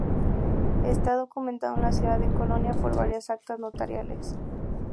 Está documentado en la ciudad de Colonia por varias actas notariales.